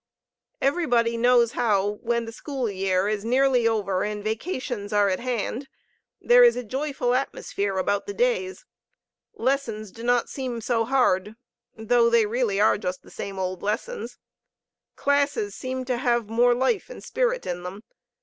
Everybody knows how, when the school year is nearly over and vacations are at hand, there is a joyful atmosphere about the days. Lessons do not seem so hard, though they really are just the same old lessons. Classes seem to have more life and spirit in them.